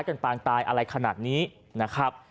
ก็ได้พลังเท่าไหร่ครับ